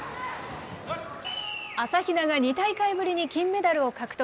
朝比奈が２大会ぶりに金メダルを獲得。